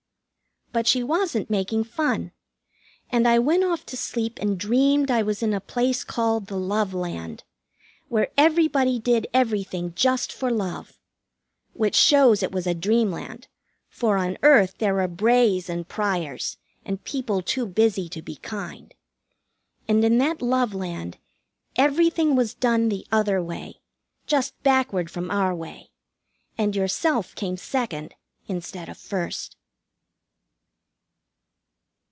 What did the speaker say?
But she wasn't making fun, and I went off to sleep and dreamed I was in a place called the Love Land, where everybody did everything just for love. Which shows it was a dreamland, for on earth there're Brays and Pryors, and people too busy to be kind. And in that Love Land everything was done the other way, just backward from our way, and yourself came second instead of first.